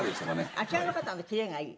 あちらの方はキレがいい。